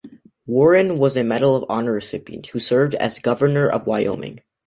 Warren was a Medal of Honor recipient who served as Governor of Wyoming.